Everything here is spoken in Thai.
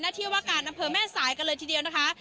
ที่ว่าการอำเภอแม่สายกันเลยทีเดียวนะคะ